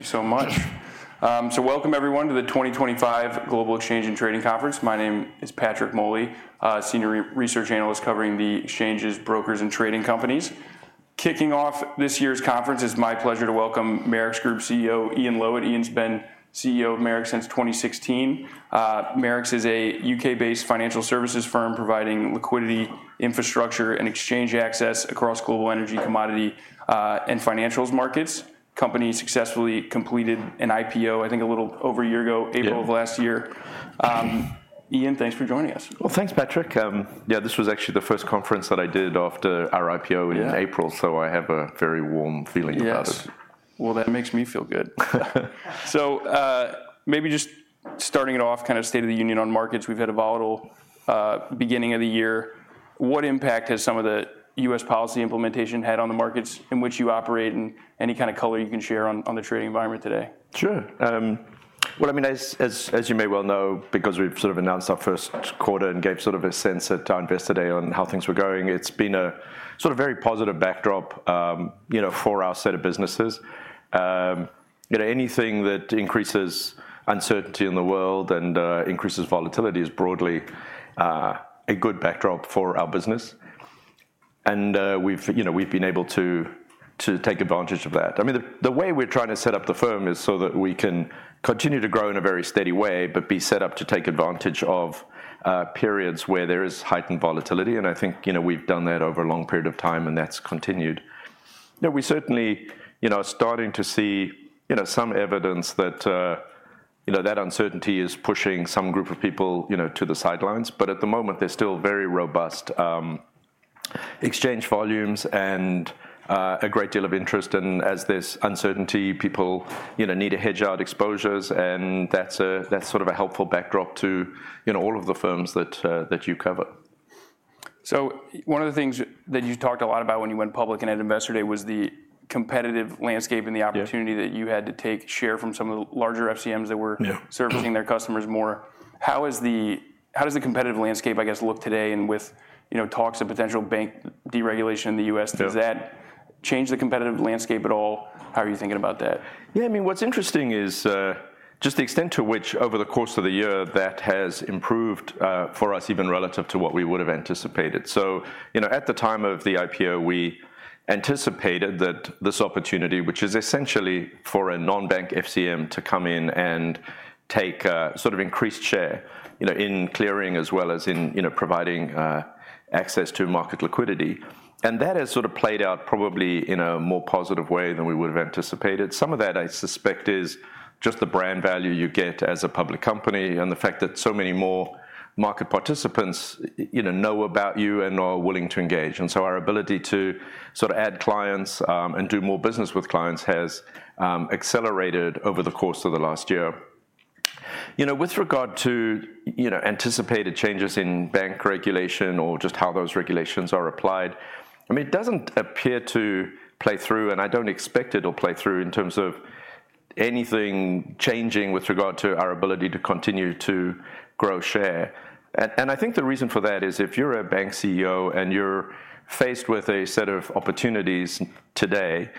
Thank you so much. Welcome, everyone, to the 2025 Global Exchange and Trading Conference. My name is Patrick Moley, Senior Research Analyst covering the exchanges, brokers, and trading companies. Kicking off this year's conference, it's my pleasure to welcome Marex Group CEO Ian Lowitt. Ian's been CEO of Marex since 2016. Marex is a U.K.-based financial services firm providing liquidity, infrastructure, and exchange access across global energy, commodity, and financials markets. The company successfully completed an IPO, I think a little over a year ago, April of last year. Ian, thanks for joining us. Thanks, Patrick. Yeah, this was actually the first conference that I did after our IPO in April, so I have a very warm feeling about it. That makes me feel good. Maybe just starting it off, kind of state of the union on markets. We've had a volatile beginning of the year. What impact has some of the U.S. policy implementation had on the markets in which you operate? Any kind of color you can share on the trading environment today? Sure. I mean, as you may well know, because we've sort of announced our first quarter and gave sort of a sense at Invest Today on how things were going, it's been a very positive backdrop for our set of businesses. Anything that increases uncertainty in the world and increases volatility is broadly a good backdrop for our business. We've been able to take advantage of that. I mean, the way we're trying to set up the firm is so that we can continue to grow in a very steady way, but be set up to take advantage of periods where there is heightened volatility. I think we've done that over a long period of time, and that's continued. We certainly are starting to see some evidence that that uncertainty is pushing some group of people to the sidelines. At the moment, there's still very robust exchange volumes and a great deal of interest. As there's uncertainty, people need to hedge out exposures. That's sort of a helpful backdrop to all of the firms that you cover. One of the things that you talked a lot about when you went public and at Investor Day was the competitive landscape and the opportunity that you had to take share from some of the larger FCMs that were servicing their customers more. How does the competitive landscape, I guess, look today? With talks of potential bank deregulation in the U.S., does that change the competitive landscape at all? How are you thinking about that? Yeah, I mean, what's interesting is just the extent to which over the course of the year that has improved for us, even relative to what we would have anticipated. At the time of the IPO, we anticipated that this opportunity, which is essentially for a non-bank FCM to come in and take sort of increased share in clearing as well as in providing access to market liquidity. That has sort of played out probably in a more positive way than we would have anticipated. Some of that, I suspect, is just the brand value you get as a public company and the fact that so many more market participants know about you and are willing to engage. Our ability to sort of add clients and do more business with clients has accelerated over the course of the last year. With regard to anticipated changes in bank regulation or just how those regulations are applied, I mean, it does not appear to play through, and I do not expect it will play through in terms of anything changing with regard to our ability to continue to grow share. I think the reason for that is if you are a bank CEO and you are faced with a set of opportunities today,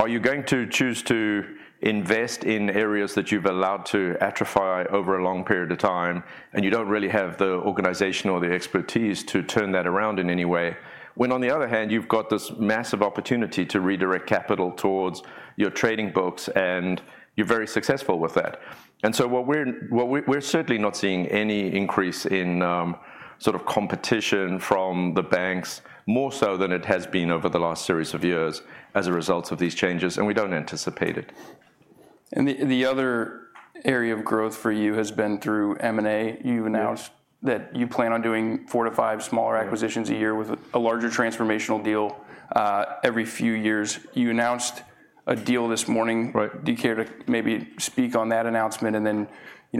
are you going to choose to invest in areas that you have allowed to atrophy over a long period of time and you do not really have the organization or the expertise to turn that around in any way, when on the other hand, you have got this massive opportunity to redirect capital towards your trading books and you are very successful with that? We're certainly not seeing any increase in sort of competition from the banks, more so than it has been over the last series of years as a result of these changes, and we don't anticipate it. The other area of growth for you has been through M&A. You announced that you plan on doing four to five smaller acquisitions a year with a larger transformational deal every few years. You announced a deal this morning. Do you care to maybe speak on that announcement and then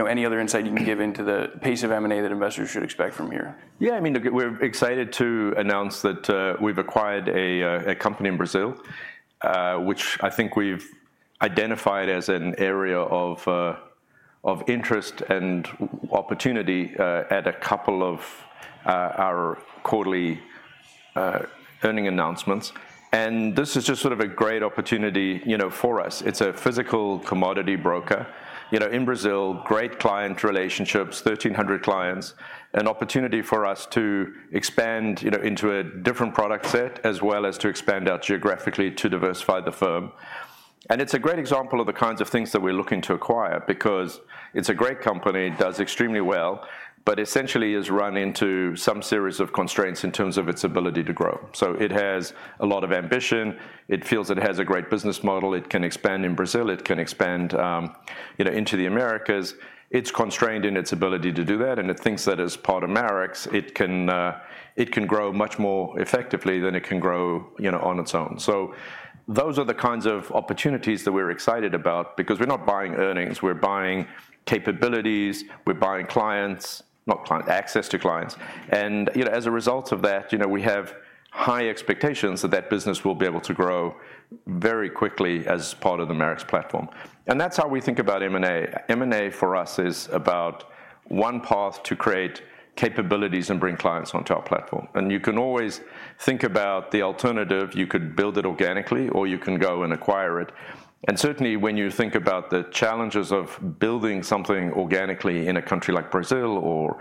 any other insight you can give into the pace of M&A that investors should expect from here? Yeah, I mean, we're excited to announce that we've acquired a company in Brazil, which I think we've identified as an area of interest and opportunity at a couple of our quarterly earning announcements. This is just sort of a great opportunity for us. It's a physical commodity broker in Brazil, great client relationships, 1,300 clients, an opportunity for us to expand into a different product set as well as to expand out geographically to diversify the firm. It's a great example of the kinds of things that we're looking to acquire because it's a great company, does extremely well, but essentially has run into some series of constraints in terms of its ability to grow. It has a lot of ambition. It feels it has a great business model. It can expand in Brazil. It can expand into the Americas. It's constrained in its ability to do that. It thinks that as part of Marex, it can grow much more effectively than it can grow on its own. Those are the kinds of opportunities that we're excited about because we're not buying earnings. We're buying capabilities. We're buying clients, not access to clients. As a result of that, we have high expectations that that business will be able to grow very quickly as part of the Marex platform. That's how we think about M&A. M&A for us is about one path to create capabilities and bring clients onto our platform. You can always think about the alternative. You could build it organically, or you can go and acquire it. Certainly, when you think about the challenges of building something organically in a country like Brazil or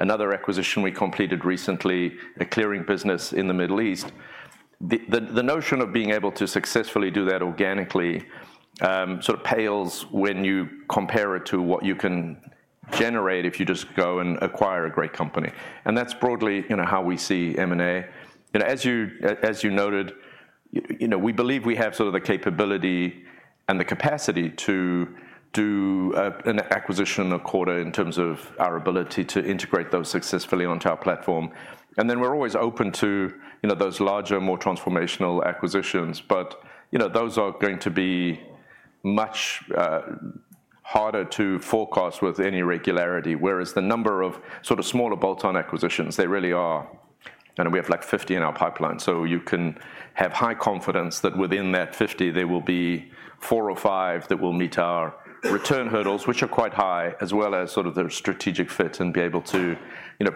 another acquisition we completed recently, a clearing business in the Middle East, the notion of being able to successfully do that organically sort of pales when you compare it to what you can generate if you just go and acquire a great company. That's broadly how we see M&A. As you noted, we believe we have sort of the capability and the capacity to do an acquisition a quarter in terms of our ability to integrate those successfully onto our platform. We're always open to those larger, more transformational acquisitions. Those are going to be much harder to forecast with any regularity, whereas the number of sort of smaller bolt-on acquisitions, there really are. We have like 50 in our pipeline. You can have high confidence that within that 50, there will be four or five that will meet our return hurdles, which are quite high, as well as sort of their strategic fit and be able to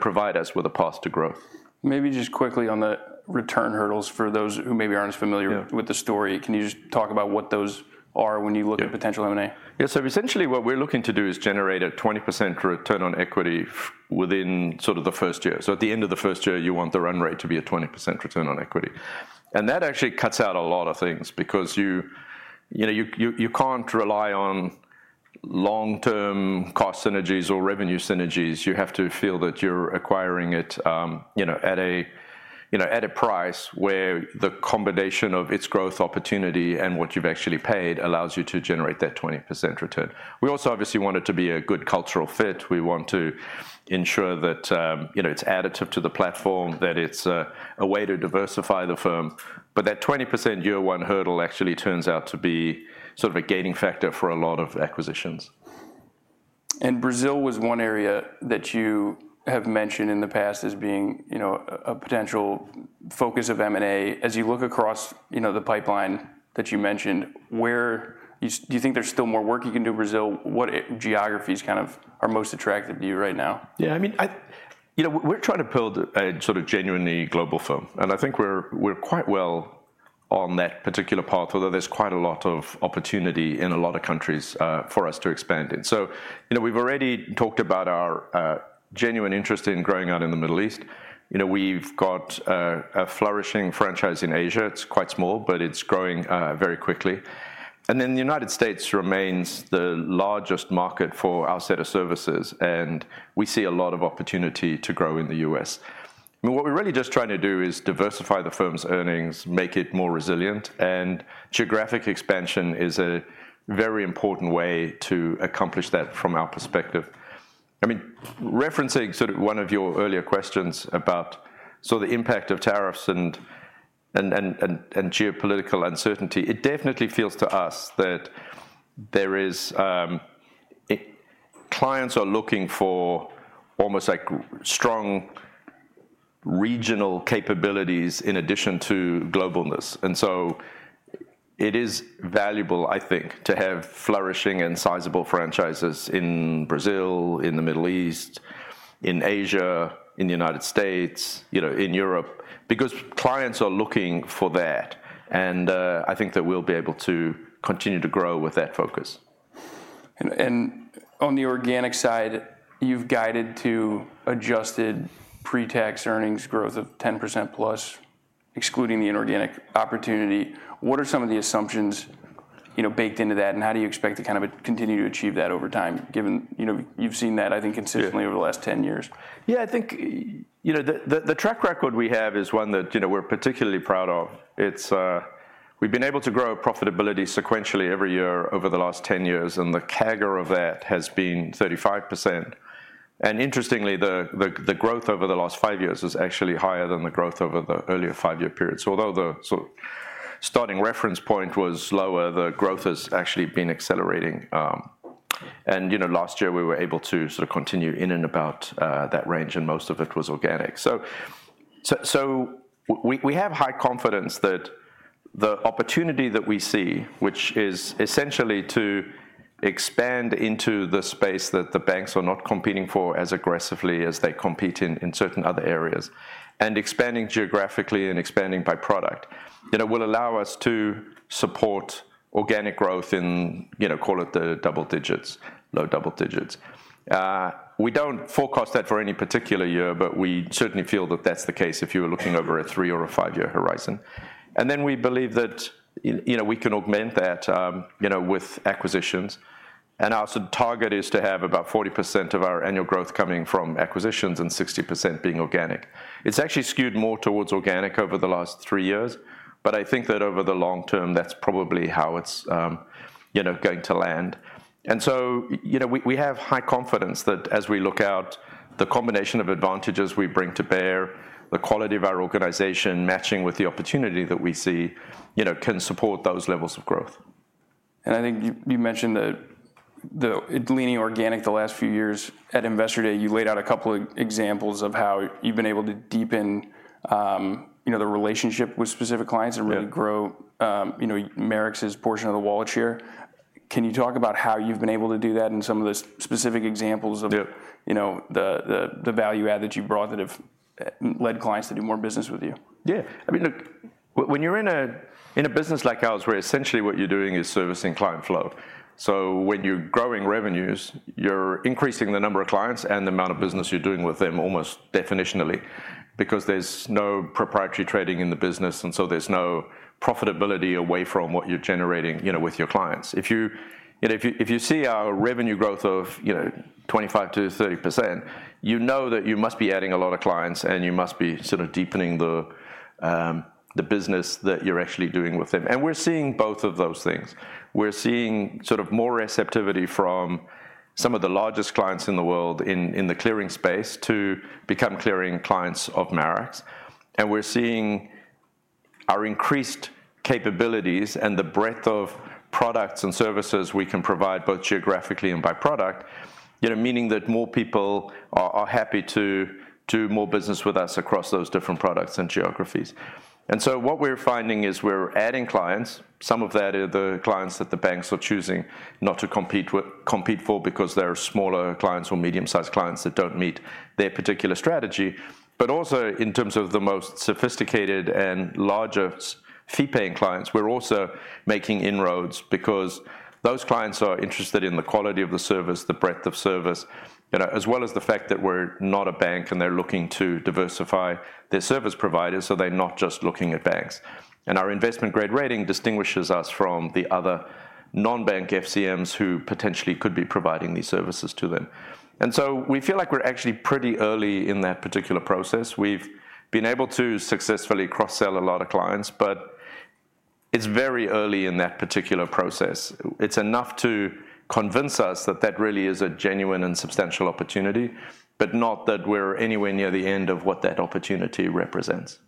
provide us with a path to growth. Maybe just quickly on the return hurdles for those who maybe aren't as familiar with the story, can you just talk about what those are when you look at potential M&A? Yeah, so essentially what we're looking to do is generate a 20% return on equity within sort of the first year. At the end of the first year, you want the run rate to be a 20% return on equity. That actually cuts out a lot of things because you can't rely on long-term cost synergies or revenue synergies. You have to feel that you're acquiring it at a price where the combination of its growth opportunity and what you've actually paid allows you to generate that 20% return. We also obviously want it to be a good cultural fit. We want to ensure that it's additive to the platform, that it's a way to diversify the firm. That 20% year one hurdle actually turns out to be sort of a gating factor for a lot of acquisitions. Brazil was one area that you have mentioned in the past as being a potential focus of M&A. As you look across the pipeline that you mentioned, do you think there's still more work you can do in Brazil? What geographies kind of are most attractive to you right now? Yeah, I mean, we're trying to build a sort of genuinely global firm. I think we're quite well on that particular path, although there's quite a lot of opportunity in a lot of countries for us to expand in. We've already talked about our genuine interest in growing out in the Middle East. We've got a flourishing franchise in Asia. It's quite small, but it's growing very quickly. The United States remains the largest market for our set of services. We see a lot of opportunity to grow in the U.S. I mean, what we're really just trying to do is diversify the firm's earnings, make it more resilient. Geographic expansion is a very important way to accomplish that from our perspective. I mean, referencing sort of one of your earlier questions about sort of the impact of tariffs and geopolitical uncertainty, it definitely feels to us that clients are looking for almost like strong regional capabilities in addition to globalness. It is valuable, I think, to have flourishing and sizable franchises in Brazil, in the Middle East, in Asia, in the United States, in Europe, because clients are looking for that. I think that we'll be able to continue to grow with that focus. On the organic side, you've guided to adjusted pre-tax earnings growth of 10% plus, excluding the inorganic opportunity. What are some of the assumptions baked into that? How do you expect to kind of continue to achieve that over time, given you've seen that, I think, consistently over the last 10 years? Yeah, I think the track record we have is one that we're particularly proud of. We've been able to grow profitability sequentially every year over the last 10 years. The CAGR of that has been 35%. Interestingly, the growth over the last five years is actually higher than the growth over the earlier five-year period. Although the sort of starting reference point was lower, the growth has actually been accelerating. Last year, we were able to sort of continue in and about that range, and most of it was organic. We have high confidence that the opportunity that we see, which is essentially to expand into the space that the banks are not competing for as aggressively as they compete in certain other areas, and expanding geographically and expanding by product, will allow us to support organic growth in, call it the double digits, low double digits. We do not forecast that for any particular year, but we certainly feel that that is the case if you were looking over a three or a five-year horizon. We believe that we can augment that with acquisitions. Our sort of target is to have about 40% of our annual growth coming from acquisitions and 60% being organic. It is actually skewed more towards organic over the last three years. I think that over the long term, that is probably how it is going to land. We have high confidence that as we look out, the combination of advantages we bring to bear, the quality of our organization matching with the opportunity that we see can support those levels of growth. I think you mentioned that leaning organic the last few years. At Investor Day, you laid out a couple of examples of how you've been able to deepen the relationship with specific clients and really grow Marex's portion of the wallet share. Can you talk about how you've been able to do that and some of the specific examples of the value add that you brought that have led clients to do more business with you? Yeah. I mean, look, when you're in a business like ours where essentially what you're doing is servicing client flow, when you're growing revenues, you're increasing the number of clients and the amount of business you're doing with them almost definitionally because there's no proprietary trading in the business. There's no profitability away from what you're generating with your clients. If you see our revenue growth of 25%-30%, you know that you must be adding a lot of clients and you must be sort of deepening the business that you're actually doing with them. We're seeing both of those things. We're seeing sort of more receptivity from some of the largest clients in the world in the clearing space to become clearing clients of Marex. We're seeing our increased capabilities and the breadth of products and services we can provide both geographically and by product, meaning that more people are happy to do more business with us across those different products and geographies. What we're finding is we're adding clients. Some of that are the clients that the banks are choosing not to compete for because they're smaller clients or medium-sized clients that don't meet their particular strategy. Also, in terms of the most sophisticated and larger fee-paying clients, we're making inroads because those clients are interested in the quality of the service, the breadth of service, as well as the fact that we're not a bank and they're looking to diversify their service providers. They're not just looking at banks. Our investment-grade rating distinguishes us from the other non-bank FCMs who potentially could be providing these services to them. We feel like we're actually pretty early in that particular process. We've been able to successfully cross-sell a lot of clients, but it's very early in that particular process. It's enough to convince us that that really is a genuine and substantial opportunity, but not that we're anywhere near the end of what that opportunity represents.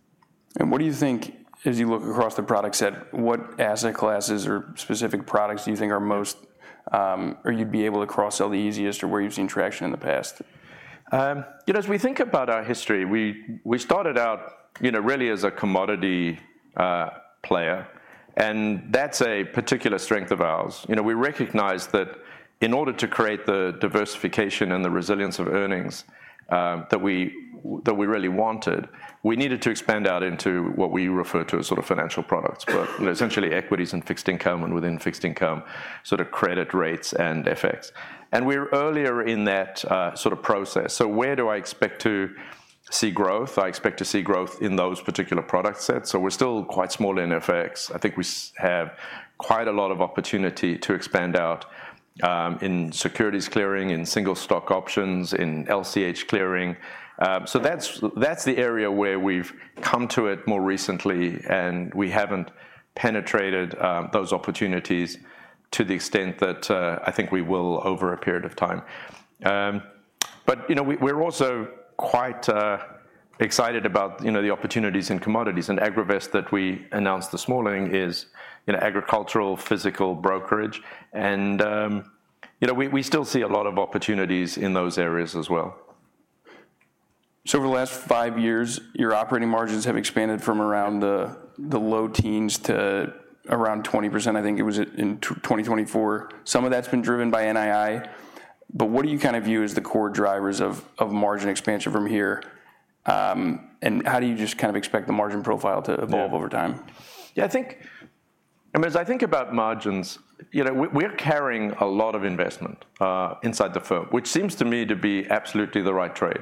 What do you think, as you look across the product set, what asset classes or specific products do you think are most, or you'd be able to cross-sell the easiest or where you've seen traction in the past? As we think about our history, we started out really as a commodity player. That's a particular strength of ours. We recognized that in order to create the diversification and the resilience of earnings that we really wanted, we needed to expand out into what we refer to as sort of financial products, but essentially equities and fixed income, and within fixed income, sort of credit rates and FX. We're earlier in that sort of process. Where do I expect to see growth? I expect to see growth in those particular product sets. We're still quite small in FX. I think we have quite a lot of opportunity to expand out in securities clearing, in single stock options, in LCH clearing. That's the area where we've come to it more recently. We have not penetrated those opportunities to the extent that I think we will over a period of time. We are also quite excited about the opportunities in commodities. AgriVest, that we announced this morning, is agricultural physical brokerage. We still see a lot of opportunities in those areas as well. Over the last five years, your operating margins have expanded from around the low teens to around 20%. I think it was in 2024. Some of that's been driven by NII. What do you kind of view as the core drivers of margin expansion from here? How do you just kind of expect the margin profile to evolve over time? Yeah, I think, I mean, as I think about margins, we're carrying a lot of investment inside the firm, which seems to me to be absolutely the right trade.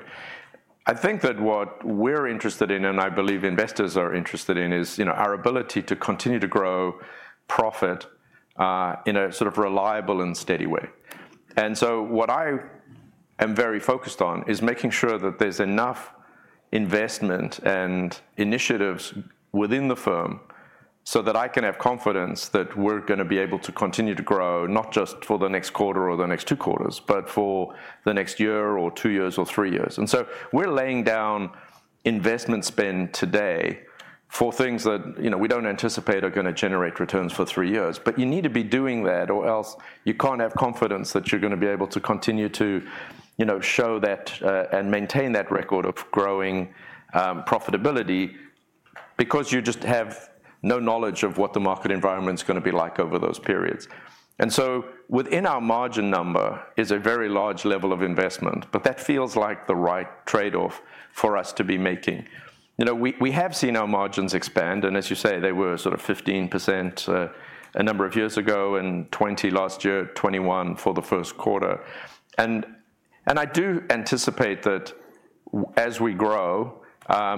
I think that what we're interested in, and I believe investors are interested in, is our ability to continue to grow profit in a sort of reliable and steady way. What I am very focused on is making sure that there's enough investment and initiatives within the firm so that I can have confidence that we're going to be able to continue to grow, not just for the next quarter or the next two quarters, but for the next year or two years or three years. We're laying down investment spend today for things that we don't anticipate are going to generate returns for three years. You need to be doing that, or else you can't have confidence that you're going to be able to continue to show that and maintain that record of growing profitability because you just have no knowledge of what the market environment is going to be like over those periods. Within our margin number is a very large level of investment, but that feels like the right trade-off for us to be making. We have seen our margins expand. As you say, they were sort of 15% a number of years ago and 20% last year, 21% for the first quarter. I do anticipate that as we grow,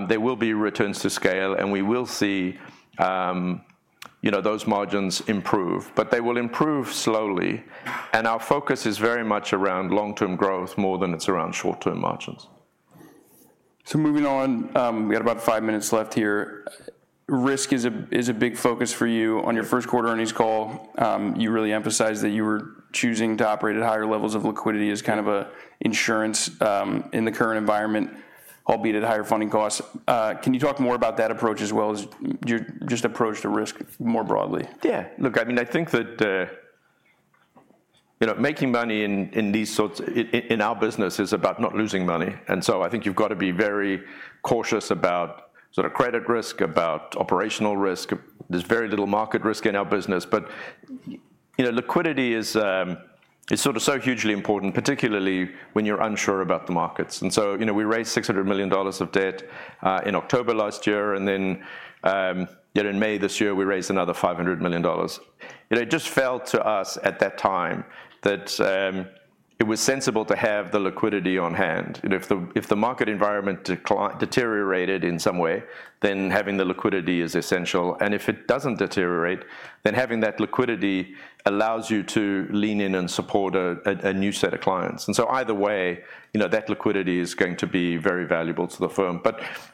there will be returns to scale and we will see those margins improve. They will improve slowly. Our focus is very much around long-term growth more than it's around short-term margins. Moving on, we got about five minutes left here. Risk is a big focus for you on your first quarter earnings call. You really emphasized that you were choosing to operate at higher levels of liquidity as kind of an insurance in the current environment, albeit at higher funding costs. Can you talk more about that approach as well as just approach to risk more broadly? Yeah. Look, I mean, I think that making money in these sorts in our business is about not losing money. And so I think you've got to be very cautious about sort of credit risk, about operational risk. There's very little market risk in our business. Liquidity is sort of so hugely important, particularly when you're unsure about the markets. We raised $600 million of debt in October last year. In May this year, we raised another $500 million. It just felt to us at that time that it was sensible to have the liquidity on hand. If the market environment deteriorated in some way, having the liquidity is essential. If it doesn't deteriorate, having that liquidity allows you to lean in and support a new set of clients. Either way, that liquidity is going to be very valuable to the firm.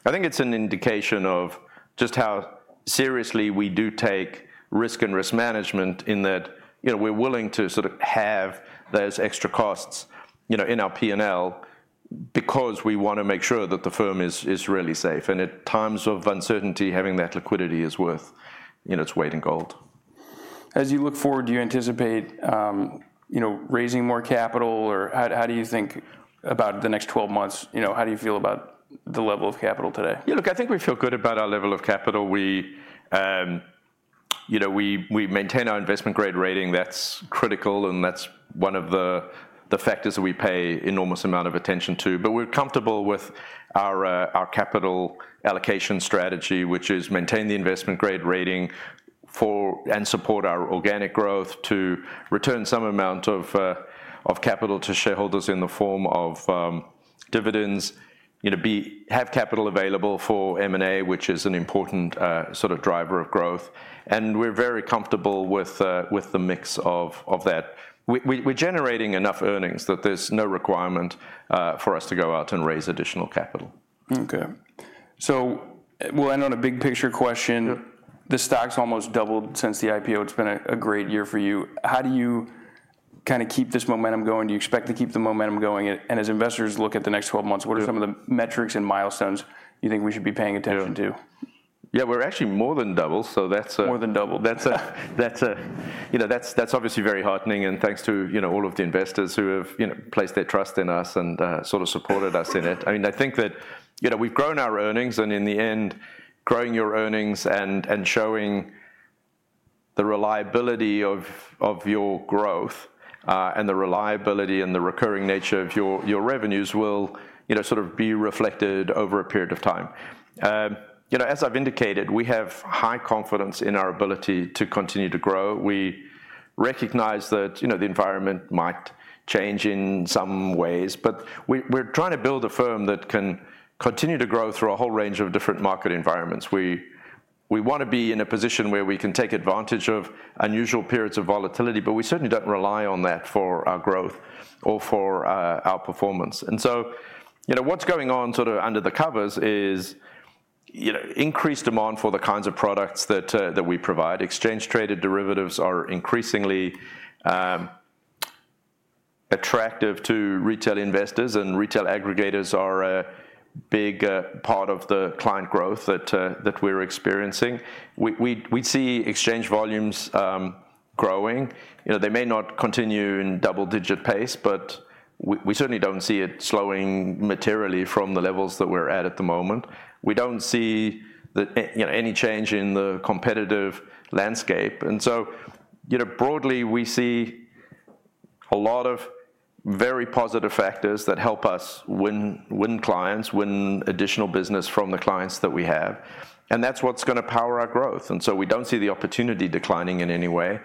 I think it's an indication of just how seriously we do take risk and risk management in that we're willing to sort of have those extra costs in our P&L because we want to make sure that the firm is really safe. At times of uncertainty, having that liquidity is worth its weight in gold. As you look forward, do you anticipate raising more capital? Or how do you think about the next 12 months? How do you feel about the level of capital today? Yeah, look, I think we feel good about our level of capital. We maintain our investment-grade rating. That's critical. That's one of the factors that we pay enormous amount of attention to. We're comfortable with our capital allocation strategy, which is maintain the investment-grade rating and support our organic growth to return some amount of capital to shareholders in the form of dividends, have capital available for M&A, which is an important sort of driver of growth. We're very comfortable with the mix of that. We're generating enough earnings that there's no requirement for us to go out and raise additional capital. Okay. So we'll end on a big picture question. The stock's almost doubled since the IPO. It's been a great year for you. How do you kind of keep this momentum going? Do you expect to keep the momentum going? And as investors look at the next 12 months, what are some of the metrics and milestones you think we should be paying attention to? Yeah, we're actually more than double. So that's. More than double. That's obviously very heartening. Thanks to all of the investors who have placed their trust in us and sort of supported us in it. I mean, I think that we've grown our earnings. In the end, growing your earnings and showing the reliability of your growth and the reliability and the recurring nature of your revenues will sort of be reflected over a period of time. As I've indicated, we have high confidence in our ability to continue to grow. We recognize that the environment might change in some ways. We're trying to build a firm that can continue to grow through a whole range of different market environments. We want to be in a position where we can take advantage of unusual periods of volatility. We certainly don't rely on that for our growth or for our performance. What's going on sort of under the covers is increased demand for the kinds of products that we provide. Exchange-traded derivatives are increasingly attractive to retail investors. Retail aggregators are a big part of the client growth that we're experiencing. We see exchange volumes growing. They may not continue at a double-digit pace, but we certainly do not see it slowing materially from the levels that we're at at the moment. We do not see any change in the competitive landscape. Broadly, we see a lot of very positive factors that help us win clients and win additional business from the clients that we have. That's what's going to power our growth. We do not see the opportunity declining in any way.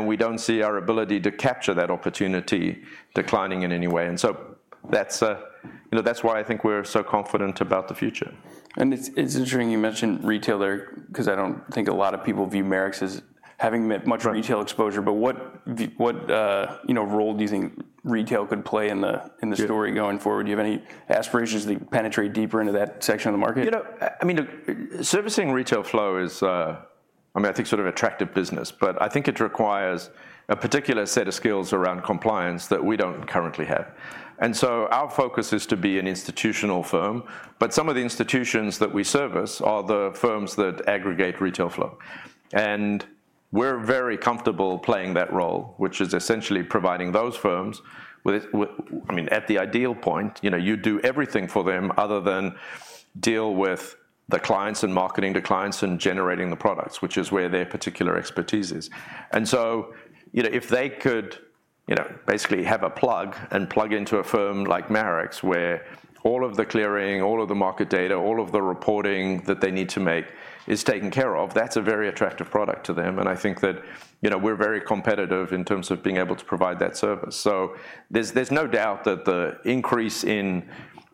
We do not see our ability to capture that opportunity declining in any way. That is why I think we're so confident about the future. It's interesting you mentioned retail there because I don't think a lot of people view Marex as having much retail exposure. What role do you think retail could play in the story going forward? Do you have any aspirations to penetrate deeper into that section of the market? I mean, servicing retail flow is, I mean, I think sort of an attractive business. I think it requires a particular set of skills around compliance that we do not currently have. Our focus is to be an institutional firm. Some of the institutions that we service are the firms that aggregate retail flow. We are very comfortable playing that role, which is essentially providing those firms with, I mean, at the ideal point, you do everything for them other than deal with the clients and marketing to clients and generating the products, which is where their particular expertise is. If they could basically have a plug and plug into a firm like Marex where all of the clearing, all of the market data, all of the reporting that they need to make is taken care of, that is a very attractive product to them. I think that we're very competitive in terms of being able to provide that service. There is no doubt that the increase in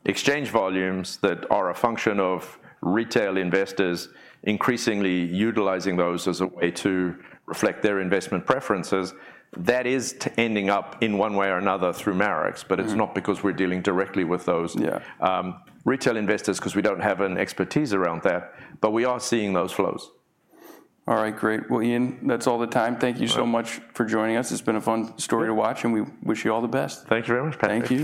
exchange volumes that are a function of retail investors increasingly utilizing those as a way to reflect their investment preferences is ending up in one way or another through Marex. It is not because we're dealing directly with those retail investors because we do not have an expertise around that. We are seeing those flows. All right. Great. Ian, that's all the time. Thank you so much for joining us. It's been a fun story to watch. We wish you all the best. Thank you very much. Thank you.